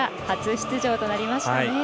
初出場となりましたね。